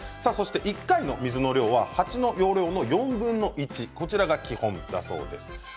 １回の水の量は鉢の容量の４分の１が基本です。